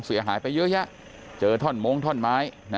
เสียหายไปเยอะแยะเจอท่อนมงท่อนไม้